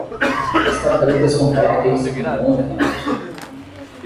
As tartarugas são répteis e não anfíbios.